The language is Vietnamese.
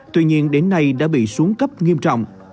tuy nhiên đến nay đã bị xuống cấp nghiêm trọng